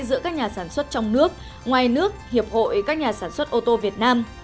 giữa các nhà sản xuất trong nước ngoài nước hiệp hội các nhà sản xuất ô tô việt nam